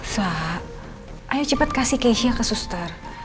sa ayo cepat kasih keisha ke suster